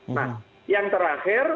nah yang terakhir